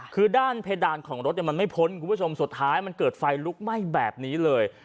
คือด้านเพดานของรถมันไม่พ้นคุณผู้ชมสุดท้ายมันเกิดไฟลุกไหม้แบบนี้เลย